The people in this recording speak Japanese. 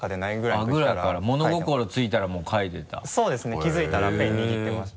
気付いたらペン握ってました。